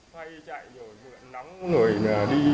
thay chạy rồi nắng người đi